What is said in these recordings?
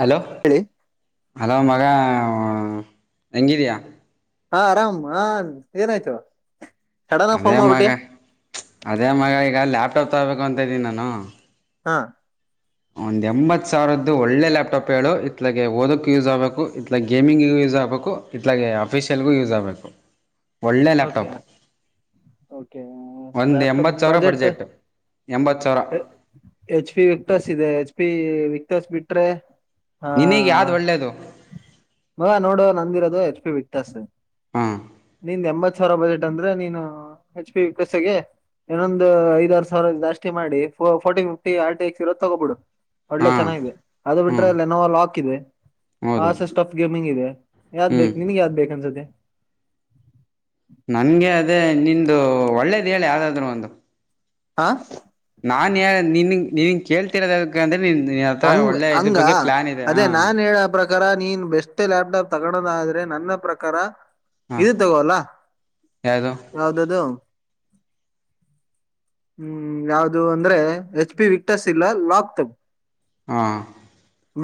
Hello ಹೇಳಿ hello ಮ ಹಾ ಎಂಗಿದಯಾ ಹಾ ಆರಾಮ್ ಹಾ ಏನ್ ಆಯ್ತು ಅದೇ ಮಗ ಅದೇ ಮಗ ಈಗಲ್ಲ ಆತಾಬೇಕು ಅಂತ ಇದೀನಿ ನಾನು ಹಾ ಒಂದು ಎಂಬತ್ತು ಸಾವಿರದ್ದು ಒಳ್ಳೆ ಲ್ಯಾಪ್ಟಾಪ್ ಹೇಳು ಇತ್ಲಾಗೆ ಓದೋಕ್ಕೂ ಯೂಸ್ ಆಗ್ಬೇಕು ಇತ್ಲ ಗೇಮಿಂಗಿಗು ಯೂಸ್ ಆಗ್ಬೇಕು ಇತ್ಲಾಗೆ ಅಫಿಷಿಯಲ್ಗು ಯೂಸ್ ಆಗ್ಬೇಕು ಒಳ್ಳೆ ಓಕೆ ಲಾಪ್ಟಾಪ್ ಲ್ಯಾಪ್ಟಾಪ್ ಬಜೆಟ್ ಎಂಬತ್ತು ಸಾವಿರ ಎಚ್ ಪಿ ವಸ್ ಇದೆ ಎಚ್ ಪಿ ವಿಕ್ಟೋಸ್ ಬಿಟ್ರೆ ಹಾ, ನಿನಗೆ ಯಾವ್ದು ಒಳ್ಳೆಯದು ಮಗ ನೋಡುವೆ ನಂದಿರೋದು ಆಯ್ತು. ಷ್ಟೆ ವ್ಯತ್ಯಾಸ. ಹಾ ನಿಂದ್ ಎಂಬತ್ ಸಾವಿರ ಬಜೆಟ್ ಅಂದ್ರೆ ನೀನು ಹೆಚ್ ಪಿ ವಿಕತ್ಸೆಗೆ ಇನ್ನೊಂದು ಐದಾರು ಸಾವಿರ ಜಾಸ್ತಿ ಮಾಡಿ, ಫೋರ್ಟಿ ಫಿಫ್ಟಿ ಆರ್ಟಿ ಎಕ್ಸ್ ಇರೋ ತಗೋಬಿಡು. ಒಳ್ಳೆ ಹಾಂ ಚೆನ್ನಾಗಿದೆ, ಅದು ಹ್ಞೂ ಬಿಟ್ಟು ಲ್ಲನೋ ಲಾಕ್ ಇದೆ. ಹಾ ಹೌದು ಸ ಸ್ಟಫ್ ಗೇಮ್ ಹಿಂಗಿದೆ ಯಾವ್ದ್ ಹ್ಞೂ ಬೇಕು, ನಿಂಗೆ ಯಾವ್ದ್ ಬೇಕ್ ಅನ್ಸತ್ತೆ? ನಿಂದ ಒಳ್ಳೇದ ಹೇಳು ಯಾವ್ದಾದ್ರು ಒಂದು? ಹಾ ನಾನ್ ಯ ನಿನ್ ನಿ ಕೇಳ್ತಿರೋದೆನುಕ್ಕ ಅಂದ್ರೆ ನಿನ್ ನಿನ್ ಹತ್ರ ಹಂಗ ಒಳ್ಳೆ ಇದ್ರ ಹಂಗ, ಬಗ್ಗೆ ಪ್ಲಾನ್ ಇದೆ ಅದೇ ಹಾ ನಾನ್ ಹೇಳ ಪ್ರಕಾರ ನೀನ್ ಬೆಷ್ಟೇ ಲ್ಯಾಪ್ಟಾಪ್ ತಗಳೋದಾದ್ರೆ ನನ್ನ ಪ್ರಕಾರ ಹಾ ಇದು ತಗೋಲ್ಲ, ಯಾವುದು ಯಾವ್ದದು. ಹ್ಮ್ ಯಾವ್ದು ಅಂದ್ರೆ, ಎಚ್ ಪಿ ವಿಕ್ಟಸ್ ಇಲ್ಲ ಲಾಕ್ ತ ಹಾ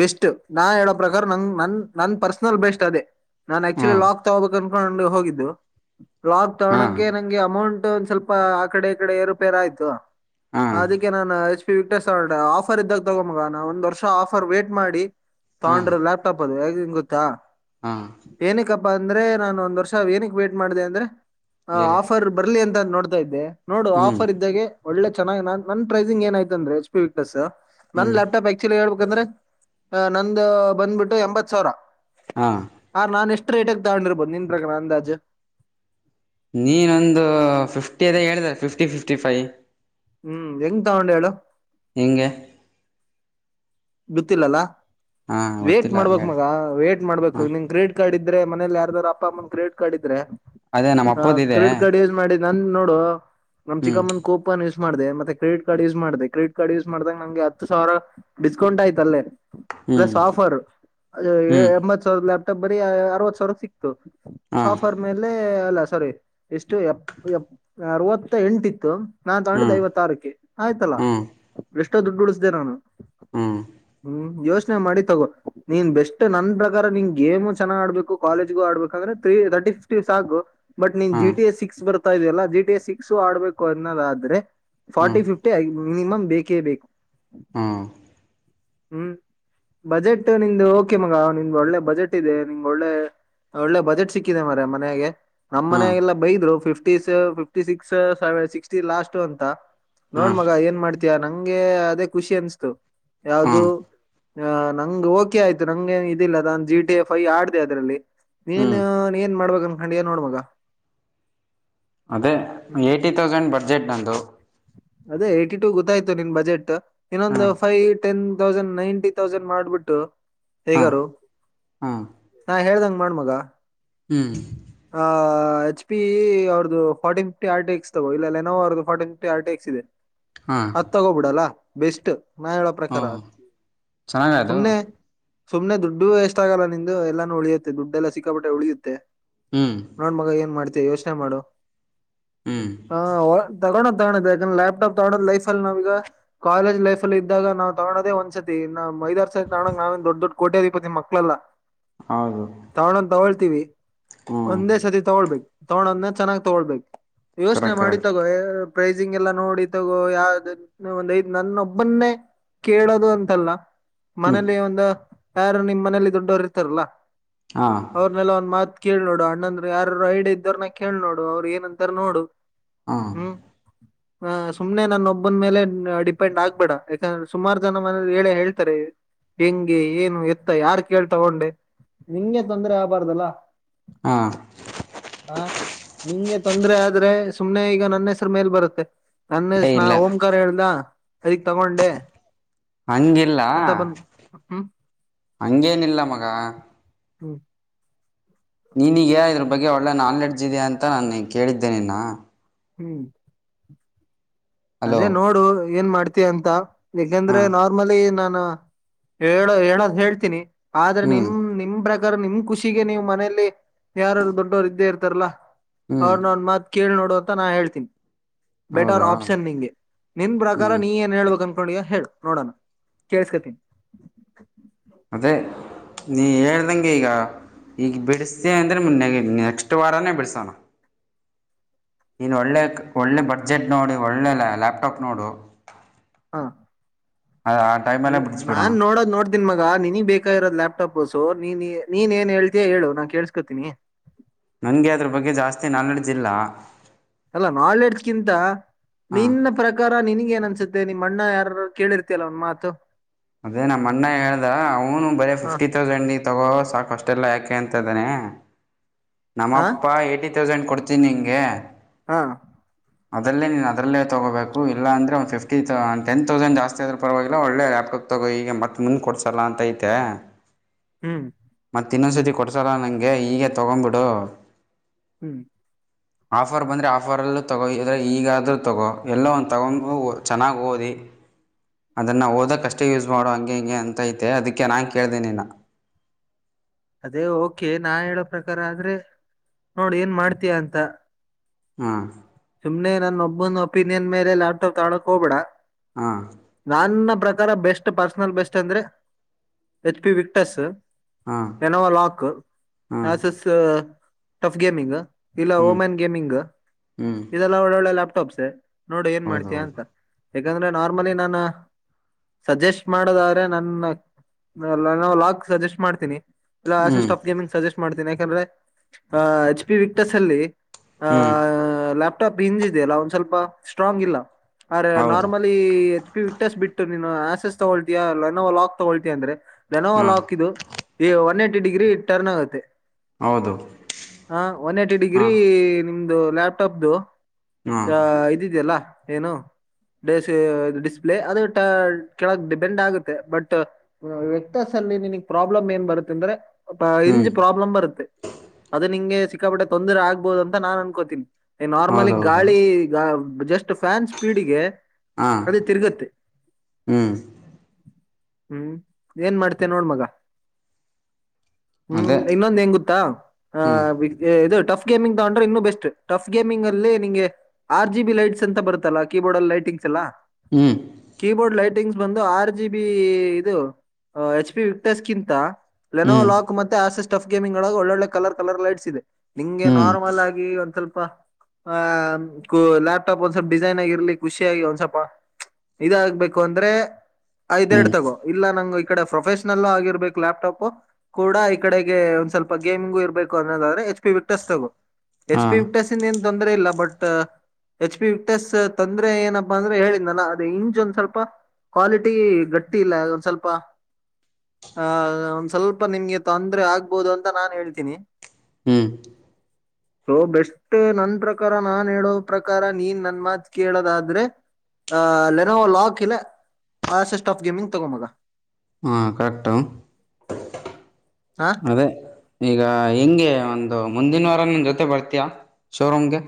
ಬೆಸ್ಟ್, ನಾ ಹೇಳೋ ಪ್ರಕಾರ ನ ನನ್ ನನ್ ಪರ್ಸನಲ್ ಬೆಸ್ಟ್ ಅದೇ. ನಾನ್ ಹಾ ಆಕ್ಚುಲಿ ಲಾಕ್ ತಗೋಬೇಕಾರೆ ಕಕೊಂಡು ಹೋಗಿದ್ದು. ಲಾಕ್ ಹಾ ತಗೋಣಕ್ಕೆ ನಂಗೆ ಅಮೌಂಟ್ ಒಂದ್ ಸ್ವಲ್ಪ ಆ ಕಡೆ ಈ ಕಡೆ ಏರುಪೇರ್ ಆಯ್ತು. ಹಾ ಅದಕ್ಕೆ ನಾನು ವಿಕ್ಟಸ್ ಆಫರ್ ಇದ್ದಾಗ ತಗೊ ಮಗ ನ ಒಂದ್ ವರ್ಷ ಆಫರ್ ವೇಟ್ ಮಾಡಿ ಹಾ ತಗೊಂಡ್ರೆ ಲ್ಯಾಪ್ಟಾಪ್ ಅದು. ನಿಂಗ್ ಗೊತ್ತಾ ಹಾ ಏನಕಪ್ಪ ಬಂದ್ರೆ ನಾನು ಒಂದ್ ವರ್ಷ ಏನಿಕ್ ವೇಟ್ ಮಾಡಿದೆ ಅಂದ್ರೆ ಹ ಹೇಳಿ ಆಫರ್ ಬರ್ಲಿ ಅಂತ. ನೋಡ್ತಾ ಇದ್ದೆ. ನೋಡು ಹ್ಮ್ ಆಫರ್ ಇದ್ದಾಗೆ ಒಳ್ಳೆ ಚೆನ್ನಾಗೆ ನನ್ ಪ್ರೈಸಿಂಗ್ ಏನಾಯ್ತ ಅಂದ್ರ ಎಚ್ ಪಿ ವಿಕ್ಟಸ್ ನನ್ ಹ್ಮ್ ಲ್ಯಾಪ್ ಟಾಪ್ ಆಕ್ಚುಲಿ ಹೇಳ್ಬೇಕ ಯಾಕಂದ್ರೆ ಅ ನಂದು ಬಂದ್ಬಿಟ್ಟು ಎಂಬತ್ ಸಾವಿರ. ಹಾ ಆ ನಾನ ಎಷ್ಟ ಎಷ್ಟು ರೇಟ್ ಅಲ್ ತಗೊಂಡಿರ್ಬೊಹುದು ನಿನ್ ಪ್ರಕಾರ ಅಂದಾಜ್. ನೀನೊಂದು ಫಿಫ್ಟಿ ಅದೇ ಹೇಳಿದರ ಫಿಫ್ಟಿ ಫಿಫ್ಟಿ ಫೈ್. ಹ. ಹ್ಮ್ ಹೆಂಗ್ ತಗೊಂಡೆ ಹೇಳು. ಹೆಗೆ. ಬಿತ್ತಿಲ್ಲಲ್ಲಾ. ಹಾ ವೇಟ್ ಗೊತ್ತಿಲ್ಲ ಮಾಡ್ಬೇಕಕ್ ಹೇಳಿ ಮಗ ವೇ್ಟಟ್ ಹ ಮಾಡ್ಬೇಕು ನಿನ್ ಕ್ರೆಡಿಟ್ ಕಾರ್ಡ್ ಇದ್ದ. ಇದ್ರೆ ಮನಲಿ ಯಾರಾದಾರ ಅಪ್ಪ ಅಮ್ಮಂದ ಕ್ರೆಡಿಟ್ ಕಾರ್ಡ್ ಇದ್ರೆ. ಅದೇ ನಮ್ಮ ಹಾ ಅಪ್ಪದಿದೆ ಕ್ರೆಡಿಟ್ ಕಾರ್ಡ್ ಯೂಸ್ ಮಾಡಿದ. ನನ್ ನೋಡು. ನಮ್ ಹ್ಮ್ ಚಿಕ್ಕಮ್ಮಂದ ಕೋಪ ಅ. ಮಾಡ ಮತ್ತೆ್ರೆಡಿಟ್ ಕಾರ್ಡ್ ಯೂಸ್ ಮಾಡಿದೆ ಕ್ರೆಡಿಟ್ ಕಾರ್ಡ್ ಯೂಸ್ ಮಾಡ್ದಾಗ ನಂಗೆ ಹತ್ತು ಸಾವಿರ. ಡಿಸ್ಕಂಟ್ ಆಯ್ತ ಅಲ್ಲೇ. ಹ್ಮ್ ಪ್ಲಸ್ ಆಫರ್ ಹ್ಮ್ ಎಂಬತ್ ಸಾವಿರದಾ. ಬರಿೀ ಅರವತ್ ಸಾವಿರ ಸಿಕ್ತು. ಹಾ ಆಫರ್ ಮೇಲೆ. ಅಲ್ಲ ಸಾರಿ ಎಷ್ಟು ಎ ಅರವತ್ತ ಎಂಟ ಇತ್ತು. ನಾನ್ ತಗೊಂಡಿದ್ದೆ ಹ್ಮ್ ಐವತ್ತಾರಕ್ಕೆ ಆಯ್ತಲ್ಲಾಷ್ಣ. ಹ್ಮ್ ಷ್ಟ ದುಡ್ಡು ಉಳಿಸ್ದಿದೆ ನಾನು. ಹ್ಮ್ ಹ್ಮ್ ಹ್ಮ್ ಯೋಶ. ಮಾಡಿ ತಗೋ ನೀನ್ ಬೆಸ್ಟ್ ನನ್ ಪ್ರಕಾರ ನಿನ್ ಗೇಮ್ ಚನ್ನಾಗ್ ಆಡ್ಬೇಕು ಕಾಲೇಜ್ಗು ಆಡ್ಬೇಕ ಅಂದ್ರೆ ತ್ರೀ ತರ್ಟಿ ಫಿಫ್ಟಿ ಆಾಗು ಬಟ್ ನೀನ್ ಹ್ಮ್ ಜಿಟಿ ಎಸ್ ಸಿಕ್ಸ್ ಬರುತ್ತೆ. ತಾ ಇದೆಯಲ್ಲಾ ಜಿ ಟಿ ಸಿಕ್ಸು ಆಡ್ಬೇಕು ಅನ್ನದಾದ್ರೆ. ಹ್ಮ್ ಫಾರ್ಟಿ ಫಿಫ್ಟಿ ಆಗ. ಮಿನಿಮಮ್ ಬೇಕೇ ಬೇಕು. ಹ್ಮ್ ಹ್ಮ್ ಬಜೆಟ್ ನಿಮ್ದು ಓಕೆ ಮಗ ನಿಮ್ದ ಒಳ್ಳೆ ಬಜೆಟ್ ಇದೆ ನಿಮ ಒಳ್ಳೆ ಒಳ್ಳೆ ಬಜೆಟ್ ಸಿಕ್ಕಿದೆ ಮರ ಮನ್ಯಾಗ ನಮ್ ಮನೆಾಗೆಲ್ಲ ಬೈದ್ರು ಫಿಫ್ಟಿಸ ಫಿಫ್ಟಿ ಸಿಕ್ಸ್ ಸ ಸಿಕ್ಸ್ಟಿ ಲಾಸ್ಟ್ ಅಂತ ಹ್ಮ್ ನೋಡ್ ಹ್ಮ್ ಮಗ ಏನ್ ಮಾಡ್ತಯಾ ನಂಗೆ ಅದೇ ಖುಷಿ ಅನ್ಸ್ತು. ಯಾವ್ದ ಹ್ಮ್ ಆ ನಂಗ ಓಕೆ ಆಯ್ತು ನಂಗೆ ಇದಿಲ್ಲ ನಾನನ್ ಜಿ ಟಿ ಎಫ್ ಐ ಆಡ್ದ ಅದ್ರಲ್ಲಿ ನೀನ್ ಹ್ಮ್ ಏನ್ ಮಾಡ್ಬೇಕಕ್ ಅನ್ಕೊಂಡ ನ್ ನೋಡ್ಮಗ. ಅದೇ ಎಟಿತೌಸೆಂಡ್ಬ ಬಜೆಟ್ ಅಂತ. ನ. ಅದೇ ಏಟಿ ಟೂ ಗೊತ್ತಾಯ್ತು ನಿನ್ ಬಜೆಟ್. ಹಾಂ ಇನ್ನೊಂದು five ten. Thousand ninety thousand ಮಾಡ್ಬಿಟ್ಟು. ಹಾಂ ಹೇಗಾರು ಹಾಂ ನಾ ಹೇಳ್ದಂಗ. ಮಾಡ ಮಗ ಹ್ಞೂ ಹಾ. ಎಚ್ ಪಿ ಅವ್ರ ಫಾರ್ಟಿ ಫಿರ್ಟಕ್ಸ್ ತಗೋ ಇಲ್ಲ ಲೆನೋ ಅವ್ರ ಫಾರ್ಟಿ ಫಿರ್ ಟೆಸ್. ಸಿೇನ್. ಹಾಂ ಹತ್ ತಗೋಬಿಡಲ್ಲ ಬೆಸ್ಟ್ ನಾ ಎ ಹ್ಞೂ ಪ್ರಕಾರ ಚೆನ್ನಾಗ ಅದು ಸುಮನೆ ಸುಮ್ನೆ ದುಡ್ಡುೂ ಎಷ್ಟ ಆಗಲ್ಲ ನಿಂದುು ಎಲ್ಲಾನು ಉಳಿಯುತ್ತೆ ದುಡ್ಡೆಲ್ಲ ಸಿಕ್ಕಾಪಟ್ಟೆ ಉಳಿಯುತ್ತೆ ಹ್ಞೂ ನೋಡ್ ಮಗ ಏನ್ ಮಾಡ್ತಿ ಯೋಚನೆ ಮಾಡೋ ಹ್ಞೂ ಹಾ ತಗೋ ತಗೋ ಬೇಕು ಈ ಲ್ಯಾಪ್ಟಾಪ್ ತಗೋದ ಲೈಫ ಅಲ್ಲಿ ನಾವ್ಗ ಕಾಲೇಜ್ ಲೈಫ್ಲ್ಲ ಇದ್ದಾಗ ನಾವು ತಗೋದ ಒಂದ್ಸತಿ ನಾ ಮೈದಾರ್ ಸಹ್ ನಣ ನೇ ದೊಡ್ ದಡ್ ಕೋಟ್ಯಾಧಿಪತಿ ಮಕ್ಕಳಲ್ಲ ಹೌದು ತಾವಣ ತವ ತಿವಿ ಹ್ಞೂ ಒಂದೇ ಸತಿ ತಗೊಳ್ಬೇಕು ತಗಳೋದ್ನೆ ಚೆನ್ನ್ ತಗೊಳ್ಬೇಕು ಯೋಚನೆ ಕರೆಕ್ಟ್ ಮಾಡಿ ಕರೆಕ್ಟ್ ತಗೋ ಎಲ್ಲ ನೋಡಿ ತಗೋ ಯಾವ ಒಂದ ಐದ್ ನನ್ನೊಬ್ಬನ್ನೇ ಕೇಳೋದು ಅಂತಲ್ಲ ಹ್ಞೂ ಮನೇಲಿ ಒಂದ ಯಾರು ನಿಮ್ಮ್ ಮನೇಲಿ ದೊಡ್ಡವರು ಇರ್ತಾರಲ್ಲಾ ಹಾಂ ಅವ್ರನೆೆಲ್ಲ ಒಂದ್ ಮಾತ್ ಕೇಳ್ ನೋಡು ಅಣ್ಣಂದ್ರು ಯಾರರು ಐಡ ಇದ್ದವ್ರನ ಕೇಳ್ ನೋಡು ಅವ್ರರು ಏನಂತಾರ ನೋಡು ಹಾಂ ಹ್ಮ್ ಹ ಸುಮ್ನೆ ನನ್ನೊಬ್ಬನ್ ಮೇಲೆ ಡಿಪೆಂಡ್ ಆಗ್ಬೇಡ ಯಾಕಂದ್ರೆ ಸುಮಾರು ಜನ ಮನ ಹೇಳೇ ಹೇಳ್ತಾರೆ ಹೆಂಗೆ ಏನು ಎತ್ತ ಯಾರ್ ಕೇಳ್ ತಗೊಂಡೆ ನಿಂಗೆ ತೊಂದ್ರೆ ಆಗ್ಬಾರ್ದಲ್ಲ ಹಾಂ ಹಾ ನಿಂಗೆ ತೊಂದರೆ ಆದ್ರೆ ಸುಮ್ಮನೆ ಈಗ ನನ್ನೆ ಮೇಲೆ ಬರುತ್ತೆ ಏ ನನ್ನಸ್ನಾ ಇಲ್ಲ ಓಂಕಾರ ಹೇಳ್ದ ಅದಗ್ ತಗೊಂಡೆ ಹಂಗಿಲ್ಲ ಅಂತ ಬಂದು ಹ ಹಂಗೇನಿಲ್ಲ ಮಗ ಹ್ಮ್ ನೀನ್ಗ ಇದ್ರ ಬಗ್ಗೆ ಒಳ್ಳೆ ನಾಲೆಡ್ಜ್ ಿದೆ ಅಂತ ನಾನು ಕೇಳಿದ್ದೇನೆ ಇನ್ನ ಹ್ಮ್ ಹಲೋ ಅದೇ ನೋಡು ಏನ್ ಮಾಡ ಇದೆ ಅಂತ. ಏಕೆಂದ್ರೆ ಹಾಂ ನಾರ್ಮಲಿ ನಾ ನ ಹೇಳೋ ಹೇಳೋದ್ ಹೇಳ್ತೀನಿ. ಆದ್ರೆ ಹ್ಞೂ ನಿಮ್ ನಿಮ ಪ್ರ ನಿಮ್ ಖುಷಿಗೆ ನೀವು ಮನೇಲಿ ಯಾರು ದೊಡ್ಡವರು ಇದ್ದೇ ಇರ್ತಾರಲ್ಲಾ. ಹ್ಞೂ ಅವ್ರನ ಒಂದ್ ಮತ್ ಕೇಳಿ ನೋಡ್. ಅಂತ ನಾ ಹೇಳ್ತೀನಿ. ಬೆಟರ್ ಹೌದಾ ಆಪ್. ಪ್ಷನ್ ನಿಂಗೆ ನಿನ್ ಪ್ರಕಾರ ಹ್ಞೂ ನೀ ಏನ್ ಹೇಬೇಕ [unintelligible] ಹೇಳು ನೋಡೋಣ ಕೇಳ್ಸ್ಕತೀನಿ. ಅದೇ ನೀ ಹೇಳ್ದಂಗೆ ಈಗ ಈಗ ಬಿಡಿಸ್ದ ಅಂದರೆ ನೆ ನೆಕ್ಸ್ಟ್ ವಾರಾನೇ ಬಿಡಿಸೋಣ. ಇನ್ ಒಳ್ಳೆ ಒಳ್ಳೆ ಬಡ್ಜೆಟ್ ನೋಡಿ ಒಳ್ಳೆ ಲ್ಯಾಪ್ಟಾಪ್ ನೋಡು. ಹಾ ಆ ಅದ ಟೈಮಲ್ಲೇ ಬಿಡಿಸ್ಬಿಡೋಣ ನಾನ್ ನೋಡೋಡ್ ನೋಡ್ತೀನ್ ಮಗ ನಿನಗ್ ಬೇಕಾಗಿರೋದ ಲ್ಯಾಪ್ಟಾಪ್. ಸೊ ನೀನ್ ನೀನ್ ಏನ್ ಹೇಳ್ತಿಯ ಹೇಳು ನಾನ್ ಕೇಸ್ಕೋತೀನಿ. ನಂಗೆ ಅದ್ರ ಬಗ್ಗೆ ಜಾಸ್ತಿ ನಾಲ್ಡ್ಜ್ ಇಲ್ಲ. ಅಲ್ಲಾ ನಾಲ್ಡ್ಜ್ಇಂತ ಹಾಂ ನಿನ್ನ ಪ್ರಕಾರ ನಿನಿಗೆ ಏನ. [unintelligible] ನಿಮ್ಮ ಅಣ್ಣ ಯಾರ ಕೇಳಿರ್ತಲ್ಲ ಒಂದ್ ಮಾತು. ಅದೇ ನಮ್ಮ ಅಣ್ಣ ಹೇಳ್ದ ಅವನು ಬರೇ ಹ ಫಿಫ್ಟಿ ತೌಸಂಡ್ ತಗೋ. ಸಾಕ ಅಷ್ಟೆಲ್ಲ ಯಾಕೆ ಅಂತ್ದಾನನೆ. ಹ ನಮ್ಮಪ್ಪ ತೌಸಂಡ್ ಕೊಡ್ತೀನಿ ನಿಂಗೆ. ಹಾ ಅದಲ್ಲೇ ನೀ ಅದಲ್ಲೇ ತಗೋಬೇಕು ಇಲ್ಲ ಅಂದರೆ ಒಂದು ಫಿಫ್ಟಿ ತ ಒಂದು ಟೆನ್ ತೌಸಂಡ್ ಜಾಸ್ತಿ ಆದರೂ ಪರವಾಗಿಲ್ಲ ಒಳ್ಳೆ ಲ್ಯಾಪ್ಟಾಪ್ ತಗೋ ಈಗ ಮತ್ತೆ ಮುಂದೆ ಕೊಡ್ಸಲ್ಲ ಅಂತಿತೆ. ಹ್ಮ್ ಮತ್ತೆ ಇನ್ನೊಂದ್ಸತಿ ಕೊಡ್ಸಾರ ನಂಗೆ. ಗೆ ಈಗ ತಗ್ಂಬಿಟ್ಟು. [unintelligible] ಹ್ಮ್ ಆಫರ್ ಬಂದರೆ ಆಫರಲ್ಲೂ ತಗೋ ಇದರೆ ಈಗಾದರೂ ತಗೋ ಎಲ್ಲೋ ಒಂದು ತಗೊಂಡು ಚೆನ್ನಾಗಿ ಓದಿ ಅದನ್ನು ಓದಕ್ಕೆ ಅಷ್ಟೇ ಯೂಸ್ ಮಾಡೋ ಹಂಗೆ ಹಿಂಗೆ ಅಂತೈತೆ ಅದಕ್ಕೆ ನಾನು ಕೇಳ್ದೀನಿನ್ನು. ಅದೇ ಓಕೆ ನಾ ಹೇಳೋ ಪ್ರಕಾರ ಆದ್ರೆ ನೋಡ್ ಏನ್ ಮಾಡ್ತಯಂತ. ಹಾ ಸುಮ್ನೆ ನನ್ನ ಒಬ್ಬೊನ್ ಒಪಿನಿಯನ್ ಮೇಲೆ ಲ್ಯಾಪ್ಟಾಪ್ ತಗೊಳಕ್ಕೆ ಹೋಗ್ ಬೇಡ. ಹಾಂ ನನ್ನ ಪ್ರಕಾರ. ಬೆಸ್ಟ್ ಪರ್ಸನಲ್ ಬೆಸ್ಟ್ ಅಂದ್ರೆ ಎಚ್ ಪಿ ವಿಕ್ಟಸ್. ಹಾಂ ಕೆನವಾ ಲಾಕ್ ಹಾಂ ಆಸಸ್. TUF gaming. ಇಲ್ಲ ಹ್ಞೂ ಓಮನ್ ಗೇಮಿಂಗ್. ಹ್ಞೂ ಇದೆಲ್ಲ [unintelligible] ಲಾಪ್ಟಾಪ್ಸ್. ನೋಡು ಏನ್ ಹೌದು ಮಾಡ್ತಯಾ ಅಂತ. ಹೌದು ಯಾಕಂದ್ರೆ ನಾರ್ಮಲಿ ನಾನ ಸಜೆಸ್ಟ್ ಮಾಡದಾದ್ರೆ ನನ್ನ ಲಾಕ್ ಸಜೆಸ್ಟ್ ಮಾಡ್ತೀನಿ. ಎಲ್ಲ ಹ್ಞೂ ಅಸಿಸ್ಟಪ್ ಗೇಮಿಂಗ್ ಸಜ್ಜೆಸ್ಟ್ ಮಾಡ್ತೀನಿ. ಯಾಕಂದ್ರೆ ಅ ಎಚ್ ಪಿ ವಿಕ್ಟಸ್ ಅಲ್ಲಿ. ಹ್ಞೂ ಹಾಂ..... ಲ್ಯಾಪ್ಟಾಪ್ ಹಿಂಜ ಇದೆಯಲ್ಲ ಒಂದ್ ಸ್ವಲ್ಪ ಸ್ಟ್ರಾಂಗ್ ಇಲ್ಲ. ಅರೆ ಹೌದು ನಾರ್ಮಲಿ ಎಚ್ ಪಿ ವಿಕ್ಟಸ್ ಬಿಟ್ಟು. ನೀನು ಆಸೆಸ್ ತಗೊಳ್ತಿಯಾ ಅಲ್ಲ ಲೆನೊ ಲಾಕ್ ತಕೊಳ್ತಿಯಾ ಅಂದ್ರೆ. ಲೆನೋವೊ ಹಾಂ ಲಾಕ್ ಇದು ಈ ಒನ್ ಎಟ್. ಡಿಗ್ರಿ ಟರ್ನ್ ಆಗುತ್ತೆ. ಹೌದು ಹಾ ಒನ್ ಏಟಿ ಡಿಗ್ರಿ ಹಾಂ ನಿಮ್ದ. ದು ಲ್ಯಾಪ್. ಟಬ್ದ್ದು ಹಾಂ ಅ ಇದಿದ್ಯಲ್ಲ. ಏನು ಡಿಸ್ಪ್ಲೇ ಅದು ಕೆಳಗ್ ಡಿಪೆಂಡ್ ಆಗುತ್ತೆ ಬಟ್ ವಿಕ್ಟಿಸ್ದಲ್ಲಿ ನಿನಗ್ ಪ್ರಾಬ್ಲಮ್ ಏನ್ ಬರುತ್ತ ಅಂದ್ರೆ. ಅ ಹ್ಞೂ ಇಂಜ್ ಪ್ರಾಬ್ಲಮ್ ಬರುತ್ತೆ ಅದು ನಿಂಗೆ ಸಿ ಸಿಕ್ಕಾಪಟ್ಟೆ ತೊಂದರೆ ಆಗ್ಬಹುದುಂತ ನನ್ ಅನ್ಕೋತೀನಿ. ನಾರ್ಮಲಿ ಹೌದೌದು ಗಾಳಿ ಗ ಜಸ್ಟ್ ಫ್ಯಾನ್ ಸ್ಪೀಡ್ಗೆ. ಹಾಂ ಅದು ತಿರುಗುತ್ತೆ. ಹ್ಞೂ ಹ್ಮ್ ಏನ್ ಮಾಡ್ತೀಯ ನೋಡ್ ಮಗ ಹ್ಮ್ ಅದೇ ಇನ್ನೊಂದ್ ಏನ್ ಗೊತ್ತಾ ಆ ಹ್ಞೂ ಇದು ಟಫ್. ಗೇಮಿಂಗ್ ತಕೊಂಡ್ರೆ ಇನ್ನು ಬೆಸ್ಟ್ ಟಫ್ ಗೇಮಿಂಗ್ ಅಲ್ಲಿ ನಿಂಗೆ ಆರ್ ಜಿ ಬಿ ಲೈಟ್ಸ್ ಅಂತ ಬರುತ್ತಲ್ಲ ಕೀಬೋರ್ಡ್ ಅಲ್ಲಿ ಲೈಟಿಂಗ್ಸ್ ಎಲ್ಲಾ. ಹ್ಞೂ ಕೀಬೋರ್ಡ್ ಲೈಟಿಂಗ್ಸ್. ಬಂದು ಆರ್ ಜಿ ಬಿ ಇದು ಎಚ್ ಪಿ ವಿಕ್ಚಸ್ಕಿಂತ ಲೆನೋ ಹ್ಞೂ ಲಾಕ್ ಮತ್ತೆ ಆಸಿಸ್ ಟಫ್ ಗೇಮಿ್ ಒಳ ಒಳ್ಳೊಳ್ಳೆ ಕರ್ ಕಲರ್ ಲೈಟ್ಸ್ ಇದೆ. ನಿಂಗೆ ಹ್ಞೂ ನಾರ್ಮಲ್ ಆಗಿ ಒಂದ್ ಸ್ವಲ್ಪ್. ಆ ಲ್ಯಾಪ್ಟಾಪ್ ಒಂದ್ ಸ್ವಲ್ಪ ಡಿಸೈನ್ ಆಗಿರ್ಲಿ ಖುಷಿಯಾಗಿ ಒಂದ್ ಸ್ವಲ್ಪ ಇದಾಗಬೇಕು ಅಂದ್ರೆ. ಐದ್ ಹ್ಞೂ ಎರಡ್ ತಗೋ ಇಲ್ಲ ನಂಗೊಯಿ. ಈ ಕಡೆ ಪ್ರೊಫೆಷನಲ್ ಆಗಿರ್ಬೇಕು ಲ್ಯಾಪ್ಟಾಪ ಕೂಡ ಈ ಕಡೆಗೆ ಒಂದ್ ಸ್ವಲ್ಪ ಗೇಮಿಂಗು ಇರ್ಬೇಕು ಅನ್ನೋದಾದ್ರೆ ಎಚ್ ಪಿ ವಕ್ಟೆಸ್ ತಗೋ. ಎಚ್ ಹಾಂ ಪಿಕ್ಟಸನ್ ಏನು ತೊಂದರೆ ಇಲ್ಲ ಬಟ್ ಎಚ್ ಪಿ ವಕ್ಟೆಸ್ ತೊಂದ್ರೆ ಏನಪ್ಪಾ ಅಂದ್ರೆ ಹೇಳಿದ ನಾನ ಅದ ಇಂಜ್ ಒಂದ್ ಸ್ವಲ್ಪ ಕ್ವಾಲಿಟಿ ಗಟ್ಟಿ ಇಲ್ಲ ಒಂದ್ ಸ್ವಲ್ಪ ಆಹ ಒಂದ್ ಸ್ವಲ್ಪ ನಿಮ್ಗೆ ತೊಂದ್ರೆ ಆಗ್ಬಹುದು ಅಂತ ನಾನ್ ಹೇಳ್ತೀನಿ ಹ್ಮ್ ಸೊ ಬೆಸ್ಟ್ ನನ್ ಪ್ರಕಾರ ನಾನ್ ಹೇಳೋ ಪ್ರಕಾರ ನೀನ್ ನನ್ ಮಾತ್ು ಕೇಳೋದಾದ್ರೆ ಆ್ ಲೆನೋವ ಲಾಕ್ ಇಲ್ಲ ಆಸೆಸ್ಟ್ ಆಫ್ ಗೇಮಿಂಗ್ ತಗೊ ಮಗ ಹಾ ಕರೆಕ್ಟು ಹಾ ಅದೇ ಈಗ ಹೆಂಗೆ ಒಂದು ಮುಂದಿನ ವಾರ ನನ್ ಜೊತೆ ಬರ್ತಯಾ ಶೋರೂಮ್ಗೆ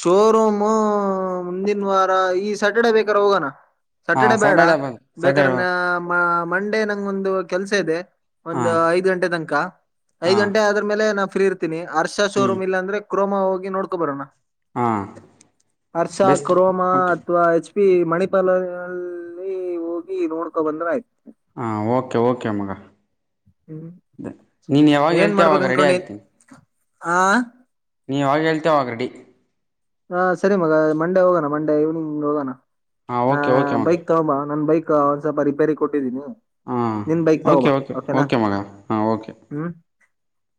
ಶೋರೂಮ್ ಮುಂದಿನ ವಾರ ಈ ಸ್ಯಾಟರ್ಡೆೇ ಬೇಕಾರ ಹೋಗೋಣ ಹಾ ಸಟರ್ಡೆ ಬೇಡ ಸ್ಯಾಟರ್ಡೆ ಬ ಸ್ಯಾಟರ್ಡೆ ಬೇಕಾರೆ್ರ ನ ಮಂಡೇ ನಂಗ ಒಂದು ಕೆಲ್ಸ ಇದೆ ಒಂದು ಹಾಂ ಐದ್ ಗಂಟೆ ತನಕ ಐದ್ ಹಾಂ ಗಂಟೆ ಆದ್ರ ಮೇಲೆ ನ ಇರ್ತನಿ ಹರ್ಷಾ ಹ್ಞೂ ಶೋರೂಮ ಇಲ್ಲ ಅಂದ್ರೆ ಕ್ರೋಮ ಹೋಗಿ ನೋಡ್ಕೊ ಬರೋಣ ಹಾಂ ಹರ್ಷ ಬೆಸ್ಟ್ ಕ್ರೋಮಾ ಓಕೆ ಅಥವಾ ಎಚ್ ಮಣಿಪಾಲನಲ್ಲಿ ಹೋಗಿ ನೋಡ್ಕೊ ಬಂದ್ರ ಆಯ್ತು ಹಾ ಓಕೆ ಓಕೆಮ್ಮಗ ಹ್ಮ್ ನೀನ್ ಯಾವಾಗ ಹೇಳ್ತ ಅವಾಗ ರೆಡಿ ಆಗ್ತೀನಿ ಹಾ ನೀವು ಯಾವಾಗ ಹೇಳ್ತೇವೆ ಆ ರೆಡಿ ಹಾ ಸರಿ ಮಗ ಮಂಡೆ ಹೋಗೋಣ ಮಂಡೇ ಈವ್ನಿಂಗ್ ಹೋಗೋಣ ಹಾಂ ಹ ಓಕೆ ಓಕೆ ಮಗ ಬೈಕ್ ತಗೊಬ ನನ್ ಬೈಕ್ ಒಂದ ಸ್ವಲ್ಪ ರಿಪೇರಿ ಕೊಟ್ಟಿದ್ದೀನಿ ಹಾಂ ನಿನ್ ಬೈಕ್ ತಗೋಬ ಓಕೆ ಓಕೆ ಓಕೆನಾ ಓಕೆ ಮಗ ಹಾಂ ಓಕೆ ಹ್ಮ್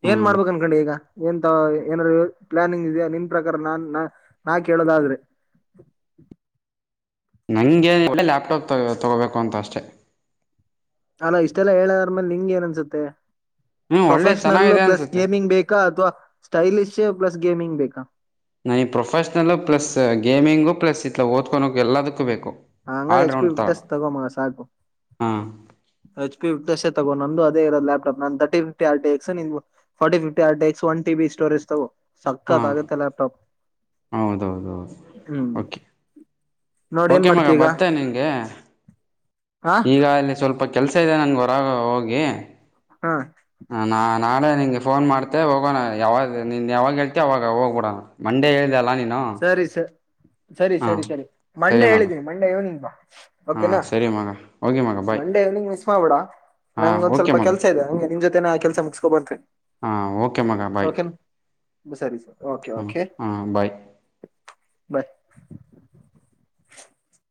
ಹ್ಞೂ ಏನ್ ಮಾಡ್ಬೇಕ ಅನ್ಕೊಂಡಿ ಈಗ ಏನ್ಂತ ಏನಾದ ಪ್ಲಾನಿಂಗ್ ಇದೆಯಾ ನಿನ್ ಪ್ರಕಾರ ನಾನ್ ನಾ ಕೇಳೋದಾದ್ರೆ ನಂಗೆ ಒ ಲ್ಯಾಪ್ಟಾಪ್ ತಗೋಬೇಕು ಅಂತ ಅಷ್ಟೆ ಅಲ್ಲ ಇಷ್ಟೆಲ್ಲಾ ಹೇಳದಾರ್ಮೇಲೆ ನಿಂಗ ಏನ್ ಅನ್ಸುತ್ತೆ ಹ್ಞೂ ಒಳ್ಳೆ ಪ್ರೊಫೆಷ್ನಲ್ ಚೆನ್ನಾಗಿದೆ ಪ್ಲಸ್ ಅನಿಸುತ್ತೆ ಗೇಮಿಂಗ್ ಬೇಕಾ ಅಥವಾ ಸ್ಟೈಲಿಷ್ ಪ್ಲಸ್ ಗೇಮಿಂಗ್ ಬೇಕಾ ನಾನ ಈ ಪ್ರೊಫೆಷನಲ್ ಪ್ಲಸ್ ಗೇಮಿಂಗು ಪ್ಲಸ್ ಇತ್ಲ ಓದ್ಕೊಕ ಎಲ್ಲದಕ್ಕೂ ಬೇಕು ಹಂಗ್ರ ಎಚ್ ಪಿ ಆಲ್ರೌಂಡ್ ಥರ ವಿಟಸ್ ತಗೋ ಸಾಪು ಹಾಂ ಎಚ್ ಪಿ ವಿ ತಗೋ ನಂದು ಅದೇ ಇ ಲ್ಾಪ್ಟಾಪ್ ನನ್ thirty fifty R X ಫ್ಟಿ ಫ್ಟಿ RD X ಒ ಟಿ ಬಿ ಸ್ಟೋರೇಜ್ ತಗೋ ಹಾಂ ಸಕ್ಕತ್ಗತ್ತೆ ಲ್ಯಾಪ್ಟಾಪ್ ಹೌದೌದು ಹೌದು ಹ್ಮ್ ನೋಡ್ ಏನ್ ಮಾಡ್ತಿ ಈಗ ಬತ್ತೇ ನಿಂಗೆ ಹಾ ಈಗ ಅಲ್ಲಿ ಸ್ವಲ್ಪ ಪ್ಪ ಕೆಲಸ ಇದೆ ನಂಗೆ ಹೊರಗೆ ಹೋಗಿ ಹಾ ಹ ನಾ ನಾಳೆ ನಿನಗೆ ಫೋನ್ ಮಾಡ್ತೆ ಹೋಗೋಣ ಯಾವಾಗ ನಿನ್ನ ಯಾವಾಗ ಹೇಳ್ತಿ ಅವಾಗ ಹೋಗ್ಬಿಡಣ ಮಂಡೇ ಹೇಳ್ದಿದೆ ಅಲ್ಲ ನೀನ್ ಸರಿ ಸರ ಸರಿ ಸರಿ ಸರಿ ಸರಿ ಮಂಡೇ ಮಗ ಹೇಳಿದ್ದೀನಿ ಮಂಡೆ ಇವನಿಂಗ್ ಬ ಹಾಂ ಓಕೆನಾ ಸರಿ ಮಗ ಹೋಗಿ ಮಗ ಬಾಯ್ ಮಂಡೇ ಇವ್ನಿಂಗ್ ಮಿಸ್ ಮಾಡ್ಬಿಡಾ ಹಾಂ ನಂಗ ಒಂದ್ ಓಕೆ ಸ್ವಲ್ಪ ಮಗ ಕೆಲ್ಸ ಇದೆ ಹಂಗೆ ನಿನ್ ಜೊತೆ ಹ ಕೆಲಸ ಮುಗಸ್ಕೊ ಬರ್ತೆ ಹಾ ಓಕೆ ಮಗ ಬಾಯ್ ಸರಿ ಸರಿ ಓಕೆ ಹು ಓಕೆ ಹು ಬಾಯ್ ಬಾಯ್